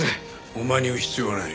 お前に言う必要はない。